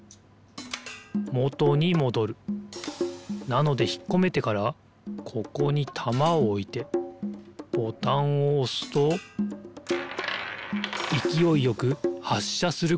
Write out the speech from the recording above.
なのでひっこめてからここにたまをおいてボタンをおすといきおいよくはっしゃすることができる。